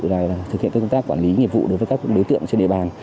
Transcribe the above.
và thực hiện các công tác quản lý nghiệp vụ đối với các đối tượng trên địa bàn